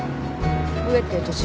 上って年？